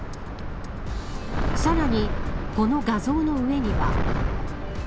さらに、この画像の上には。